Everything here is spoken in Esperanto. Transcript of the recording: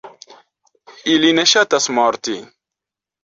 Ili ne ŝatas morti.